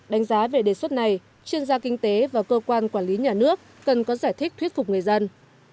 đánh giá về đề xuất này chuyên gia kinh tế và cơ quan quản lý nhà nước cần có giải thích thuyết phục người dân